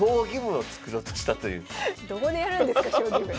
どこでやるんですか将棋部。